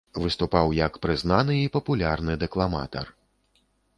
Выступаў як прызнаны і папулярны дэкламатар.